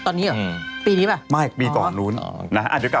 ตอนนี้หรือปีนี้ป่ะ